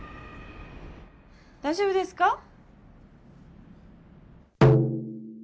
大丈夫ですか？